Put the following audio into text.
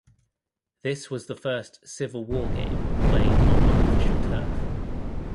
This was the first Civil War game played on artificial turf.